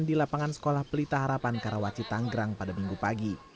di lapangan sekolah pelita harapan karawaci tanggerang pada minggu pagi